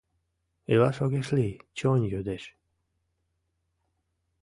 Илаш огеш лий, чон йодеш.